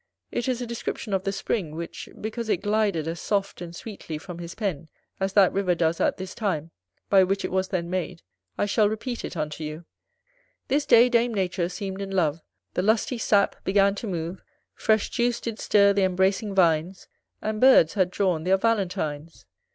It is a description of the spring; which, because it glided as soft and sweetly from his pen, as that river does at this time, by which it was then made, I shall repeat it unto you: This day dame Nature seem'd in love The lusty sap began to move; Fresh juice did stir th' embracing vines. And birds had drawn their valentines.